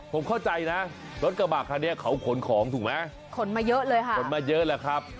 ผมเข้าใจนะรถกระบากค่ะเขาขนของถูกไหมขนมาเยอะเลยครับ